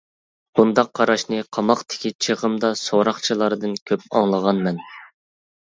بۇنداق قاراشنى قاماقتىكى چېغىمدا سوراقچىلاردىن كۆپ ئاڭلىغانمەن.